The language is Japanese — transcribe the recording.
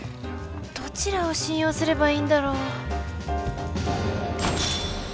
どちらを信用すればいいんだろう。